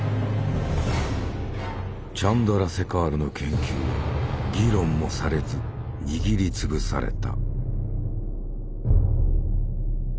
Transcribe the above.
チャンドラセカールの研究は議論もされず握りつぶされた。